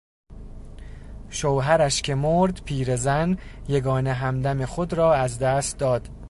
شوهرش که مرد پیرزن یگانه همدم خود را از دست داد.